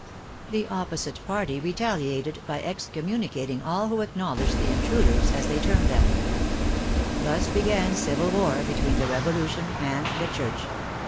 The opposite party retaliated by excommunicating all who acknowledged the " intruders," as they termed them. 28 A "CONSTITUTION" ON ITS BEAM ENDS 29 Thus began civil war between the Revolution and the Church.